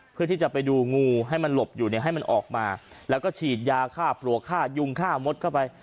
เพื่อที่จะไปดูงูให้มันหลบอยู่เนี่ยให้มันออกมาแล้วก็ฉีดยาฆ่าปลวกฆ่ายุงฆ่ามดเข้าไป